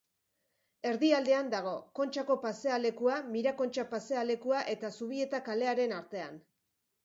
Erdialdean dago, Kontxako pasealekua, Mirakontxa pasealekua eta Zubieta kalearen artean.